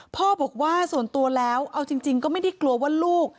พ่อบอกว่าส่วนตัวแล้วเอาจริงก็ไม่ได้กลัวว่าลูก